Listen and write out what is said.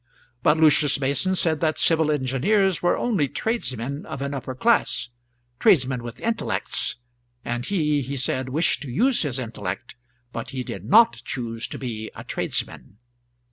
But Lucius Mason said that civil engineers were only tradesmen of an upper class, tradesmen with intellects; and he, he said, wished to use his intellect, but he did not choose to be a tradesman.